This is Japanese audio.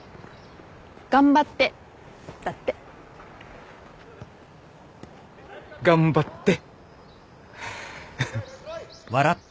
頑張ってだって。頑張って。